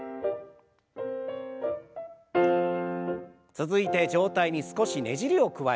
続いて上体に少しねじりを加える運動。